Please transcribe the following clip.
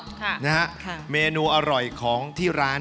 แล้วเจอมาเมนูอร่อยของที่ร้าน